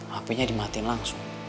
hpnya dimatiin langsung